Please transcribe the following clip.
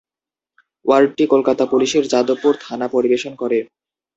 ওয়ার্ডটি কলকাতা পুলিশের যাদবপুর থানা পরিবেশন করে।